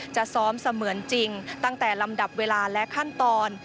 จะซ้อมเสมือนจริงตั้งแต่ลำดับเวลาและขั้นตอน